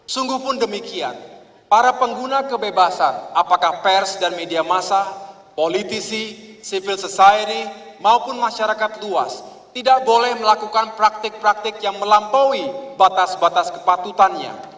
sungguhpun demikian para pengguna kebebasan apakah pers dan media masa politisi civil society maupun masyarakat luas tidak boleh melakukan praktik praktik yang melampaui batas batas kepatutannya